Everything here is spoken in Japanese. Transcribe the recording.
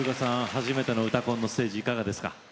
初めての「うたコン」のステージいかがですか？